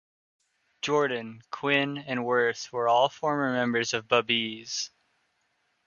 Jordan, Quinn and Wirth were all former members of Babeez.